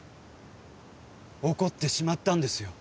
起こってしまったんですよ